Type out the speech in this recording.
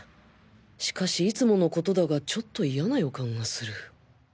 しかしいつものことだがちょっと嫌な予感がする